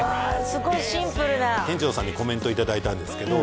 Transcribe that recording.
すごいシンプルな店長さんにコメントいただいたんですけど